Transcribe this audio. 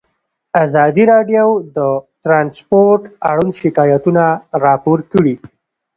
ازادي راډیو د ترانسپورټ اړوند شکایتونه راپور کړي.